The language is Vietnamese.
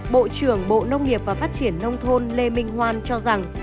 bộ trưởng bộ nông nghiệp và phát triển nông thôn lê minh hoan cho rằng